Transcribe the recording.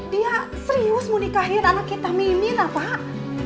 dia serius mau nikahin anak kita mimin lah pak